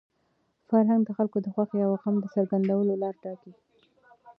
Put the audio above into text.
فرهنګ د خلکو د خوښۍ او غم د څرګندولو لاره ټاکي.